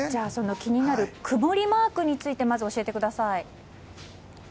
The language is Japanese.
気になる曇りマークについて教えてください。